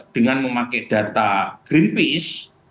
dengan memakai data greenpeace